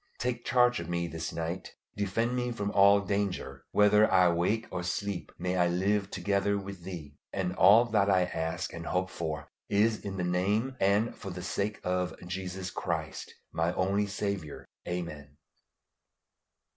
Take charge of me this night, defend me from all danger; whether I wake or sleep, may I live together with Thee; and all that I ask or hope for is in the name and for the sake of Jesus Christ, my only Saviour. Amen.